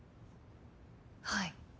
はい。